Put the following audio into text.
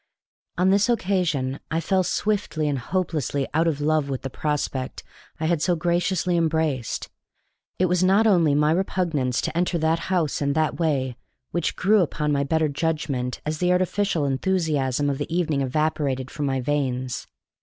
On this occasion I fell swiftly and hopelessly out of love with the prospect I had so gratuitously embraced. It was not only my repugnance to enter that house in that way, which grew upon my better judgment as the artificial enthusiasm of the evening evaporated from my veins.